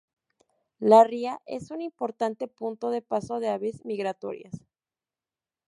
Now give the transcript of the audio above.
La ría es un importante punto de paso de aves migratorias.